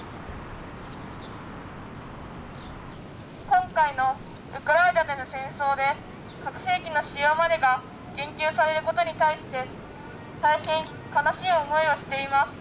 今回のウクライナでの戦争で核兵器の使用までが言及されることに対して大変悲しい思いをしています。